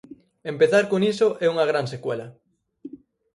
Empezar con iso é unha gran secuela.